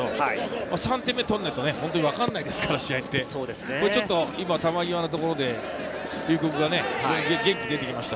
３点目を取らないと、本当に試合って分からないですから、今、球際のところで龍谷、元気が出てきました。